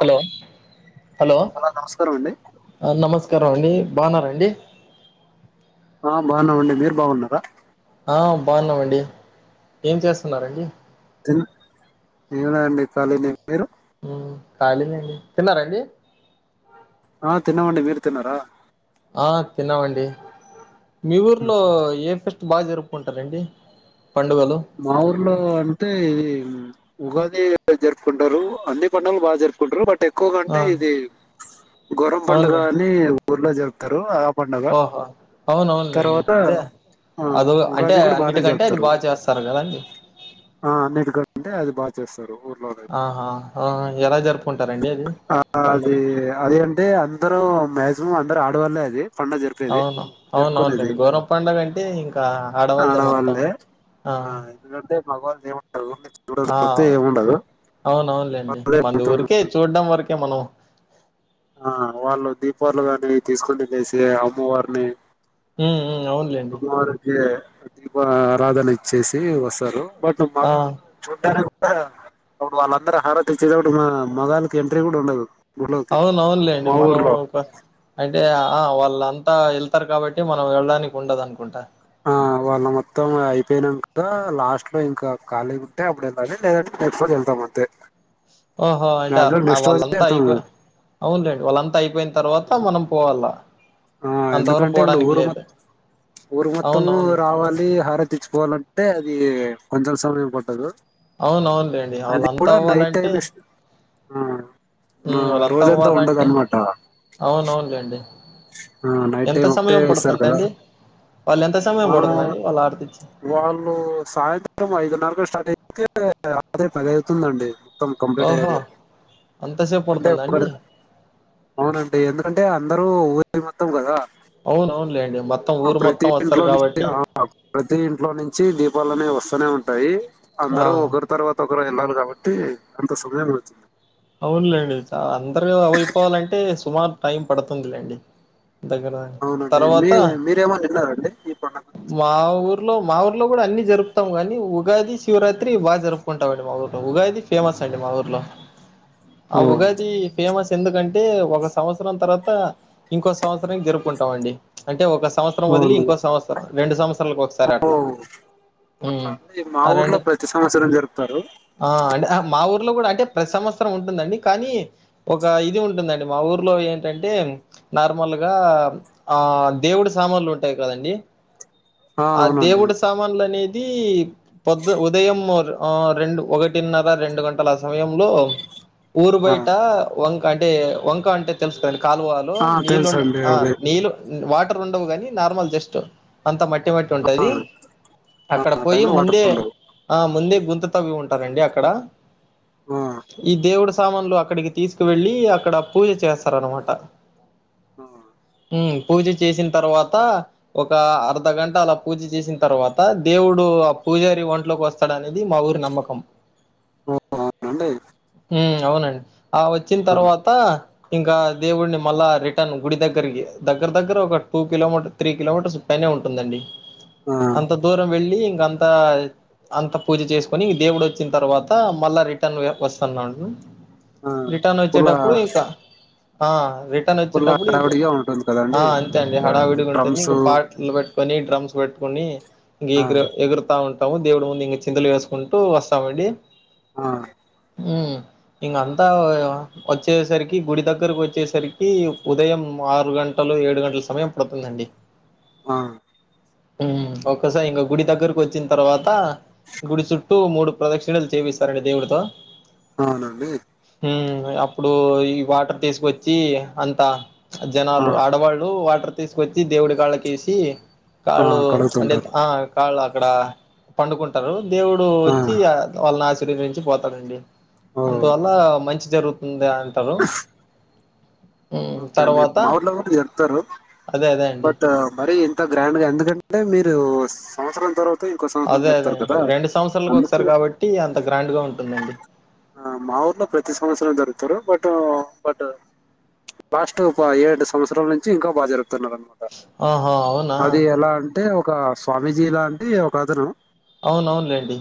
Hello hello నమస్కారం అండి నమస్తే రం అండి బాఉన్నారాండి ఆ బాఉన్నామండి మీర్ బాగున్నారా ఆ బాఉన్నామండి ఏం చేస్తున్నారండి తి ఏంలేఅండి ఖళీనె మీరు కాలీనె అండి తిన్నారాండి ఆ తిన్నామండి మీరు తిన్నారా ఆ తిన్నావండి మీ వూర్లో ఏ ఫె బాగా జరుపుకుంటరండి మా ఊర్లో అంటే ఉగాది జరుపుకుంటారు అంది పండుగలు బాగా జరుపుకుంట్రు బట్ ఎక్కువ ఆ గంటే ఇది గొరం పండుగ అవునులే అని ఊర్ లో చెరుపుతారు ఆ పండుగ ఓహో అవునవునండి తర్వాత అంటే ఆ అద అంటే ఉగాది కూడా బాగానే అన్నిటికంటే అది జరుపుతారు బాగా చేస్త ఆ నటుకోంటే అది బాగా చేస్తారు ఊర్లో అనేది. ఆహా ఆ ఎలా జరుపుకుంటారండి అది ఆ పడుగ అది అది అంటే అందరూ మాక్సిమం అందరు ఆడవాళ్ళలే అది పండుగ జరిపేది అవును అవున జరుపుకునేది అవునండి గోర పడుగంటే ఇంకా ఆడవాళ్లదే మొత్తం ఆడవాళ్ళే ఆ మగవా ఆ అవున్ అవును లేండి వాళ్ళే మన మొత్తం ఊరికే చూడ్డం వరకే మనం ఆ వాళ్ళు దీపాళు గాని తీసుకునేసి అమ్మవారిని ఉమ్ ఉమ్ అవునులేండి అమ్మవారికె ప్ర దీప ఆరాధన ఇచ్చేసి వస్తారు బట్ ఆ మగాలు చూడానికి అప్పుడు వాళ్ళందరు హారతి ఇచ్చేటప్పుడు మా మొదకి ఎంట్రీ కూడా ఉండదు హులకి లేండి మనం ఒక అ అంటే ఆ వాళ్ళంతా వెళ్తారు కాబట్టి మనం వెళ్ళడానికి ఉండదు అనుకుంటా ఆ వాళ్ళ మొత్తం అయిపోయినాక లాస్ట్ లో ఇంకా కఖళీగా ఉంటే అప్పుడు వెళ్ళాలి లేదంటే నెక్స్ట్ లో వెళ్తాం అంతే ఓహో అంటే మాక్సిమం నెక్స్ట్ రోజే వాళ్ళంతా వెళ్తాం అయిపోయి మేము అవునులేండి వాళ్ళంతా అయిపోయిన తర్వాత మనం పోవాలా బ ఆ ఎందుకంటే ఇప్పుడు ఊరు మొం ఊరు మొత్తము అవునవును రావాలి హారతి తెచ్చుకోవాలంటే అది కొందె సర కొట్టదు అవున అవునులేండి అవళ అంతా టైం అవ్వాలంటే ఇస్ ఆ మ్ ఆ వాళ్ళంతా రోజంతా ఉండదు అవ్వాలంటే అనమాట అవునవునులేండి ఆ నైట్ ఎంత టైం ఒకే సమయం ఇస్తారు కదా పడుతుందండి వాళ్ళు ఎంత సమయం ఆ పడుతుందండి వాళ్ళు ఆర్తిచ్చి వాళ్ళు సాయంత్రం ఐదున్నర స్టార్ట్ అయితే అదే పదివుతుందండి మత్త కంప్లీట్ అయ ఓహో అంతసేపు ఎందుకంటే పడుతుందా ఒక అండి అవునండి ఎందుకంటే అందరూ హ్మ్ మత్తం కదా అవునువును ల్యాండ్ ఆ ప్రతి ఇంట్లో నుంచి ఆ ప్రతి ఇంట్లో నుంచి దీపాలునే వస్తూనే ఉం టాయి ఆ అందరుూ ఒకరు తరువాత ఒకరు ఉండాలి కాబట్టి అంత సబయంగా వచింధి అవునులేండి చాలా అందరు అ అయిపోవాలంటే సుమారు టైం పడుతుందిలేండి దగ్గర దగ్గర. అవునండి మీ తర్వాత మీరే ఎమానా వినారా అండీ పండగా మా ఊర్లో మా ఊర్లో కూడా అన్ని జరుపుతాము గానీ ఉగాది శివరాత్రి బాగా జరుపుకుంటాంండి మా ఊర్లో ఉగాది ఫేమస్ అండి మా ఊర్లో ఆ ఓ ఉగాది ఫేమస్ ఎందుకంటే అంటే ఒక సంవత్సరం తర్వాత ఇంకో సంవత్సరం జరుపుకుంటాం అండి అంటే ఒక సంవత్సం వదిలి ఇంకో సంవత్సరం రెండు సమస్త ఉమ్ అట్లా హ్మ్. అండి మా ఆ ఊర్లో రెండు ప్రతి సంవత్సరం జరుపుతారు లో కూడా అంటే ప్రతి సం ఉంటుందండి కానీ ఒక ఇది ఉంటుందం మా ఊర్లో ఏంటంటే నార్మల్గా ఆ దేవుడి సామాన్లు ఉంటాయి కదండి ఆ దేవుడు సామాన్లు అనేది ది పొద్ ఉదయం ఆ రెండు ఒకటిన్నర రెండు గంటల సమయంలో ఊరు ఆ బయట వం అంటే వంక అంటే తెలుసు కదా కాలువాలు ఆ నీళ్ళ ఉండ తెలుసండి ఆ అదే నీళ్ళ వాటి రండవు కానీ నార్మల్ జస్ట్ అంత మట్ మట్ మట్ ఆ ఉంటది ఆ అక్కడ ఆ పోయి టైంలో వాటర్ ముందే ఉండవు ఆ ముందే గుంత తవ్వి ఉంటారంండి అక్కడ ఆ ఈ దేవుడు సామాన్లు అక్కడికి తీసుకు వెళ్ళి అక్కడ పూజ చేస్తార అనమాట ఆ ఉమ్ పూజ చేసిన తర్వాత ఒక అర్ధ గంట అలా పూజ చేసిన తర్వాత దేవుడు ఆ పూజారి ఒంట్లోకి వస్తాడు అనేది మా ఊరి నమ్మకం ఓ అవునా అండీ ఉమ్ అవునండి ఆ వచ్చిన ఆ తర్వాతా ఇంకా దేవుడిని మళ్ళా రిటర్న్ గుడి దగ్గరికి దగ్గర దగ్గర ఒక two kilometre three kilometres పైనే ఉంటుందండి ఆ అంత దూరం వెళ్ళి ఇ అంత అంత పూజ చేసుకుని దేవుడు వచ్చిన తర్వాత మళ్ళా రిటర్న్ వస్తున్నాడు ఆ రిటర్న్ ఫుల్ వచ్చేటప్పుడు ఇక ఆ రిటర్న్ ఫుల్ వచ్చేటప్పుడు ఇంకా హడావిడిగా ఉంటుంది కదండి అంతే అండి ఇంకా హడావిడిగు ఉంటుంది డ్రమ్స్ ఇంకా పాటలు పెట్టుకొని డ్రమ్ [inaudible] ని ఇ ఆ ఎ ఎగురుతా ఉంట ము దేవుడు ముందు ఇంక చింతలు వేసుకుంటూ వస్తామండి ఆ ఉమ్ ఇంక అంతా వచ్చేసరికి గుడి దగ్గరకు వచ్చేసరికి ఉదయం ఆరు గంటలు ఏడు గంటల సమయం పడుతుందండి ఆ ఉమ్ ఒక్కసారి ఇంక గుడి దగ్గరకు వచ్చిన తర్వాత గుడి చుట్టూ మూడు ప్రదక్షిణలు చేపిస్తారండి దేవుడితో అవునండి ఉమ్ అప్పుడు ఈ వాటర్ తీసుకొచ్చి అంతా ఆ జనాలు ఆడవాళ్ళు వాటర్ తీసుకొచ్చి దేవుడి కాళ్ళకేసి ఆ కాళ్ళు అంటే కడుగుతుంటారు ఆ కాళ్ళు అక్కడ పండుకుంటారు దేవుడు వచ్చి ఆ వాళ్ళ ఆశి నుంచి [unintelligible] పదండి ఓ అందు వల్ల మంచి జరుగుతుంది అ తారు ఓకే అండి మా ఊర్లో కూడ జరుపుతారు అదే అదే అండి. బట్ మరి ఇం త గ్రాండ్ గా ఎందుకంటే మీరు సంవత్సరం తర్వాత ఇంకో సంవత్సరం అదే అదే. జరుపుతారు కదా సంవత్సరాలకు అందుకు ఒకసారి కాబట్టి అంత గ్రాండ్‌గా ఉంటుందండి. మా ఊర్లో ప్రతి సంవత్సరం జరుగుతారు బట్ ఆ బట్ లాస్ట్ ఏడు సంవత్సరాల నుంచి ఇంకా బాగా జరుగుతుంది అనమాట ఆహా! అవునా? అది ఎలా అంటే ఒక స్వామీజీ లాంటి ఒక అతను అవునవునులేండి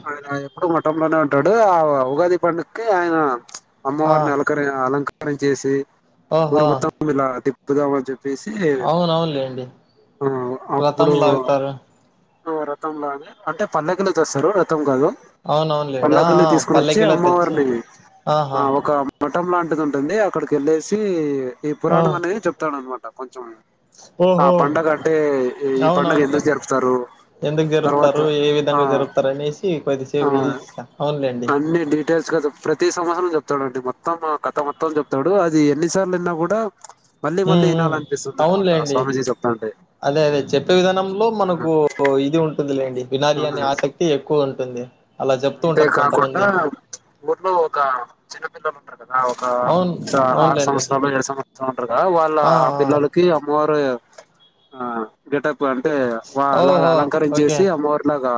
అప్పుడు మఠంలోనే ఉంటాడు ఆ ఉగాది పండుగ క్కి ఆయన ఆ! అమ్మవారిని అలకర అలంక పని చేసి ఊరు ఓహో! మొత్తం ఇలా అది కదా అవునవునులేండి ఆ, రథం అప్పుడు లాగుతారు రథం లో అనే అంటే పల్లకిలో తెస్తారు రథం కాదు అవున అవునులేండి ఆ పల్లకిల్లి ఆ తీసుకుని వచ్చి పల్లెకిలో తెచ్చి అమ్మవారిని ఆ, ఆహా ఒక మఠం లాంటిది ఉంటుంది అక్కడికి వెళ్ళేసి ఈ ఆ పురాణం అనేది చెప్తాడు అన్నమాట కొంచెం ఆ ఓహో పండగ అంటే ఈ- ఈ పండగ అవునవునులే ఎందుకు జరుపుతారు ఎందుకు తర్వాత జరుపుతారు ఏ ఆ విధంగా జరుపుతారు అనేసి కొది ఆ అన్ని డీటెయిల్స్ కదా ప్రతి సంవత్సరం చెప్తాడండి అ మొత్తం ఆ కథ మొత్తం చెప్తాడు అది ఎన్నిసార్లువిన్నా కూడా మళ్ళీ ఊ మళ్ళీ ఊ వినాలనిపిస్తుంది అనమాట అవునులేండి స్వామీజీ చెప్తాంటే అదే అదే చెప్పే విధానంలో ఆ, మనకు ఇది ఉంటుందిలేండి వినాలీ అనే ఆసక్తి ఎక్కువ ఉంటుంది అలా చెప్తూ అంతే ఉంటారు కాకుండా కొంతమంది ఊర్లో ఒక చిన్నపిల్లలు ఉంటరు కదా ఒక అవును ఆరు అవునులేండి సంవత్సరాలు ఏడు సంవత్సరాలు ఉంటారుగా వాళ్ళ ఆ పిల్లలకి అమ్మవారు ఆ గట అంటే వా ఆ అలాగ ఓహో అలంకారం ఓకే చేసి అమ్మవారిలాగా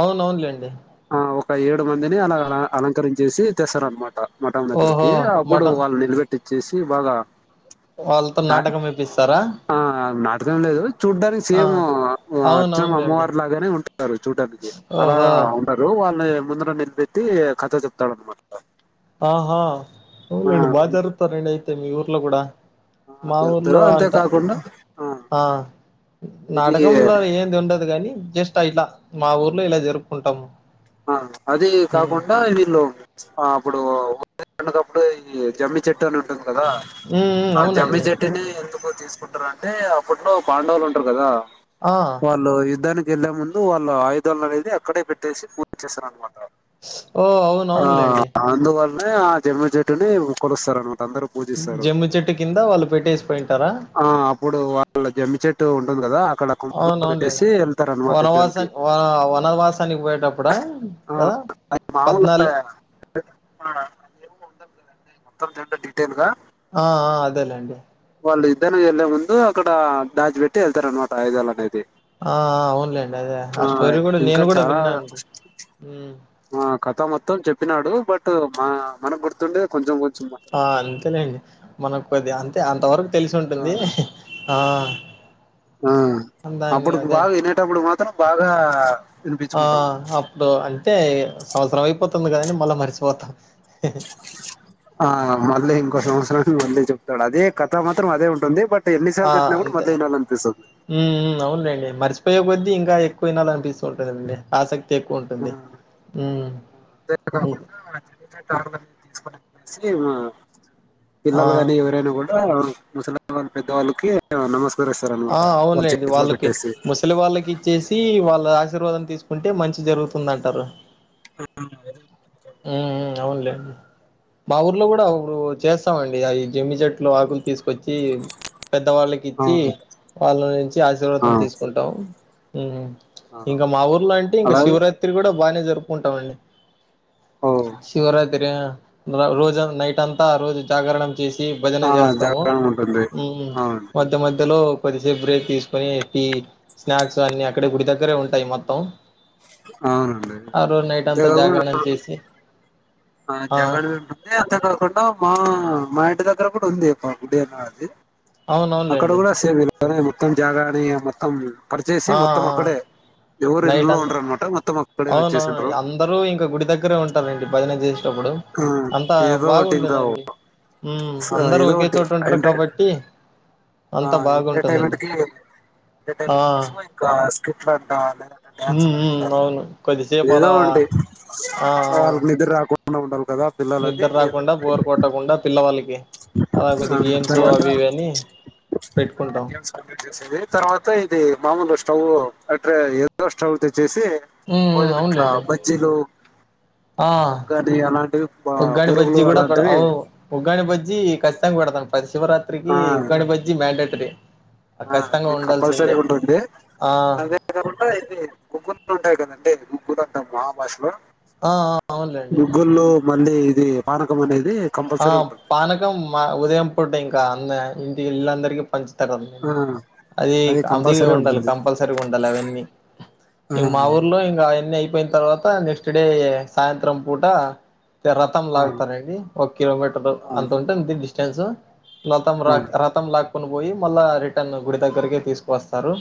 అవునవునులేండి ఒక ఏడు మందిని అలా అలంకరించి చేసి తెస్తారు అనమాట మఠం ఓహో దగ్గరకి అప్పుడు మటన్ వాళ్ళు నిలబెట్టి చేసి బాగా వాళ్ళతో ఆ నాటకం వేపిస్తారా ఆ నాటకం లేదు చూడ్డానికి ఆ సేమ్ అచ్చం అవునవునులేండి అమ్మవారు లాగానే ఉంటారు చూడ్డానికి అలా ఓహో ఉ వాళ్ళని ముందు నిలపెట్టి కథ చెప్తాడున్నమాట ఆహా అవునండి ఆ బాగా జరుపుతారు అండి మీ ఊర్లో కూడా ఆ మా జరుపుతారు ఊర్లో అంట అంతేకాకుండా ఆ ఇది నాటకంలో ఏది ఉండదు కాని జస్ట్ అయిలా మా ఊర్లో ఇలా జరుపుకుంటాము ఆ అది ఉమ్ కాకుండా వీళ్ళు అప్పుడు ఎండకప్పుడు ఈ జమ్మి చెట్టు చ ఉంటుంది కదా ఉమ్ ఆ జమ్మి అవునండి చెట్టుని ఎందుకు తీసుకుంట ఉంటారు అంటే అప్పట్లో పాండవులు ఉంటారు కదా ఆ వాళ్ళ యుద్ధానికి వెళ్లే ముందు వాళ్ళ ఆయుధాలు అనేది అక్కడే పెట్టేసి వచ్చేస్తార అనమాట ఓ అవున ఆ అవునులేండి అందువల్లనే ఆ జమి చెట్టుని కొలుస్తారు అందరూ పూజిస్తారు జమ్మి చెట్టు కింద వాళ్ళు పెట్టేసి పోయింటారా ఆ అప్పుడు వాళ్ళ జమ్మి చెట్టు ఉంటుంది కదా అక్కడ కుమ్మం అవునవునులేండి పెట్టేసి వెళ్తారు అనమాట వనవాస ఇద్దరినికి వనవాసానికి పోయేటప్పుడా ఆ కదా అ మామలుగా పద్నాలు అదేమో ఉండదు కదండి మొత్తం తింట డీటెయిల్ గా ఆ అదేలే అండి వాళ్ళు ఇద్దరిని వెళ్ళలే ముందు అక్కడ దాచి పెట్టి వెళ్తారు అనమాట ఆయుదాలు అనేది ఆ అవునులేండి అదే ఆ స్టోరీ కూడా నేను ఇంకా కూడా చాలా విన్నా అండి ఆ కథ మొత్తం చెప్పినాడు బట్ మనకు గుర్తుండేది కొంచెం కొంచెం మాత్రం ఆ అంతేలెండి మనకుకొద్దిగా అంతే అంతవరకు తెలిసు ఆ ఉంటుంది ఆ ఆ దాన్ని అప్పుడుకి అదే బాగా వినేటప్పుడు మాత్రం బాగా ఆ ఆ అప్పుడు అంటే సంవత్సరం అయిపోతుంది కదని మళ్ళా మరిచిపోతాం ఆ మళ్ళ ఇంకో సంవత్సరం అందే చెప్తాడు అదే కథ మాత్రం అదే ఉంటుంది బట్ ఆ ఎన్నిసార్లు చెప్పినా కూడా అంతే మళ్ళీ వినాలనిపిస్తుంది అవునులేండి మరిచిపో ఉపయోగ కొద్ది ఇంకాక్కువ వినాల అనిపిస్తుంటుందిండి ఆసక్తి ఎక్కువ ఉంటుంది హ్మ్ అంతే కాకుండా జ ఆడ తీసుకుొనిసి ఏమ ఆ పిల్లలు గానీ ఎవరైనా కూడా ముసలమా పద్దలుకి నమస్క ఆ అవునండి వాళ్ళకి ముసలి వాళ్ళకి ఇచ్చేసి వాళ్ళ ఆశీర్వాదం తీసు చూసుకుంటే మంచి జరుగుతుంద అంటారు ఆ ఉ అవునులేడి మా ఊర్లో కూడా ఇప్పుడు చేస్తామండి అ జమ్మి చెట్లు ఆకులు తీసుకు వచ్చి పెద్దవాళ్ళకి ఆ, ఇచ్చి వాళ్ళ నుంచి ఆ, ఆశీర్వాదం తీసుకుంటాం ఏ ఆ. ఇంకా మా ఊర్లో అంటే ఇంకా అలాగే శివరాత్రి కూడా బానే జరుపుకుంటామండి ఓ శివరాత్రి ఆహ్ రోజు నైట్ అంతా రోజు జాగరణం. చేసి భజన ఆ చేస్తాము జగడం ఉంటుంది అవును మధ్య మధ్యలో. కొద్దిసేపు బ్రేక్ తీసుకొని టీ స్నాక్స్ అన్ని అక్కడే గుడి దగ్గరే ఉంటాయి మొత్తం. అవునండి అంతేకదా. ఏ ఆహ్ జగరణ పెట్టుకుంటే అర్థం కాకుండా మా మా తినే దగ్గర కూడా ఉంది దేవు నీవు దీ. అవునవునులేండి. సరే మొత్తం జాగాణ మొత్తం పరిచేసి ఆ మొత్తం ఆ అక్కడే ఎవరు నైట్ ఇంట్లో అంతా ఉండరు అనమాట మొత్తంక్క అవునవును అందరూ ఇంకా గుడి దగ్గర ఉంటాలండి భజన చే ఉమ్ ఏదో ఒకటి ఇంకా ఉమ్ అందరూ ఏదో ఒకే ఒకటి చోట ఉంటారు ఎంట కాబట్టి అంతా ఆహ్ ఎంటర్టైన్మెంట్ బాగుంటుందండి కీ ఆ ఎంటర్టైన్మెంట్ కోసం ఇంకా స్క్రిప్ట్ అంట డాన్స్ ఉమ్ లాంట. ఉమ్ అవును కొద్దిసేపు ఏదో అలా ఉంటే వాళ్ళకి నిద్ర రాకుం మా ఉండాల్ నిద్దర రాకుండా బోరు కొట్టకుండా పిల్లవాళ్ళకి. అలా కొద్ది ఆహ్ గేమ్స్ తర్వాత అవి ఇవి అని పెట్టుకుంటాం గేమ్స్ కంప్లీట్ చేసేది తర్వాత ఇది మామూలు. స్టవ్ అట్రే ఎదో స్టవ్ తేచ్. చేసి ఉమ్ ఉమ్ మనం ఇట్లా అవునులేండి బజ్జీలు. ఆ ఉగ్రని అలాంటివి బ బోరుగులు అలాంటివి. కాని బజ్జి కచ్చితంగా పెడతాము పెస్. శివరాత్రికి ఉగ్రాని బజ్జి మ్యాండేట్. చట్టే ఆహ్ అది కంపల్సరీ ఉంటుంది ఆ అదే కాకుండా ఇది కొగ్గుందలు ఉంటాయి కదండి. ఊరంతా ఆ ఆ, అవునులేండి మహాభాషణలు గుల్లో మళ్ళీ ఇది. పానకం అనేది. కంపల్సరీ ఆహ్ ఉంటుంది పానకం మా ఉదయం పూట ఇంకా. అది ఇంటికి ఇల్లు అందరికి పంచ్. ఆ అదిగి అది కంపల్సరీ ఉండాలి ఉంటుంది కంపల్సరీ గా ఉండాలి అవన్నీ ఆ ఇంక మా ఊర్లో ఇంకా అవన్నీ అయి. పోయిన తర్వాత నెక్స్ట్ డే సాయంత్రం పూట. రథం ఆ లాగుతారండి. ఒక కిలోమీటర్ ఆ అవును అంత ఉంటుంది డీస్ తెల్సు లోతం రాక్ రతం ల క్ కొని పోయి మళ్ళా రిటర్న్ గుడి దగ్గరకి తీసుకొస్తారు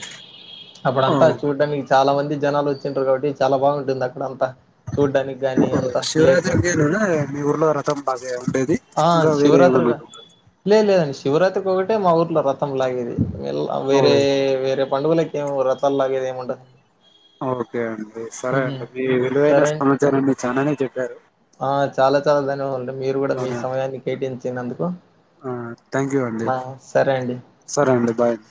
అప్పుడంతా అవును చూడ్డా మీజ్ చాలా మంది జనాలు వచ్చింట్రూ కాబట్టి చాలా బాగుంటుంది అక్కడ అంతా చూడ్డానికి గాని అంత ప్లేస్ శివరాత్రి [unintelligible] మీ ఊర్లో రతం బాగా ఉండేది ఆ ఇంకా వేరే ఏమన శివరాత్రిగా లేదు శివరాత్రికి ఒకటే మా ఊర్లో రత్ సంలది వెళ ఓ వేరే వేరే పండుగలకి. ఏం రథలులాగేది ఏముండదు. ఓకే అండి సరే అండి మీ విలువైన సరే అండి సమాచారాన్ని చాననే చెప్పారు హాలో మీరు కూడా మీ సమయాన్ని కేటయించినందుకు థ్యాంక్ యూ అండి న సరే అండి సరే అండి బాయ్ అండి